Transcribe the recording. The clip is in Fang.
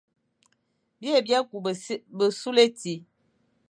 Byè bia kü besule éti,